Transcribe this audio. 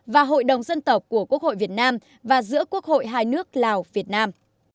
và hội đồng dân tộc của quốc hội việt nam và giữa quốc hội hai nước lào việt nam